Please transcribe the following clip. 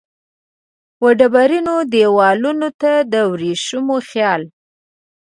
وډبرینو دیوالونو ته د وریښم خیال